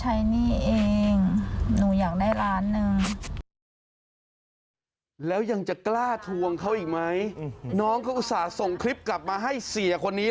หนูจะไม่รบกวนแล้วหนูจะส่งควรให้